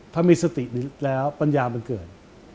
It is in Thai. ถ้ามีสติแล้วปัญญามันเกิด